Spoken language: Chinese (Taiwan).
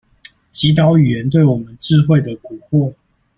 擊倒語言對我們智慧的蠱惑